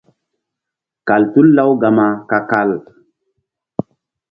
Kal tul Lawgama ka-kal.